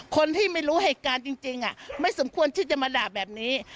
คนที่ไม่รู้เหตุการณ์จริงไม่สมควรที่จะมาด่าแบบนี้